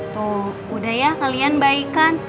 tuh udah ya kalian baikkan